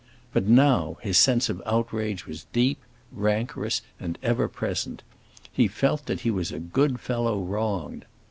But now his sense of outrage was deep, rancorous, and ever present; he felt that he was a good fellow wronged.